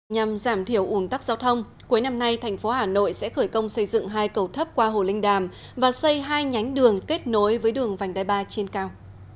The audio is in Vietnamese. nhằm giảm thiểu ủn tắc giao thông cuối năm nay thành phố hà nội sẽ khởi công xây dựng hai cầu thấp qua hồ linh đàm và xây hai nhánh đường kết nối với đường vành đai ba trên cao